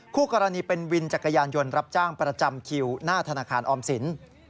คู่กรณีเป็นวินจักรยานยนต์รับจ้างประจำคิวหน้าธนาคารออมสิน